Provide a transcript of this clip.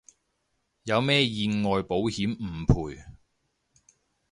有咩意外保險唔賠